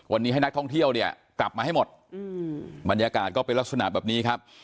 วันนี้ให้นักท่องเที่ยวเนี่ยกลับมาให้หมดบรรยากาศก็เป็นลักษณะแบบนี้ครับ